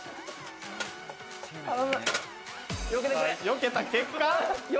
よけた。